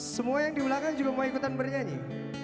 semua yang di belakang juga mau ikutan bernyanyi